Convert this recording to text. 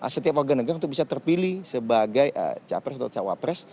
setiap warga negara itu bisa terpilih sebagai capres atau cawapres